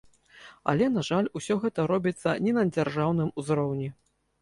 Але, на жаль, усё гэта робіцца не на дзяржаўным узроўні.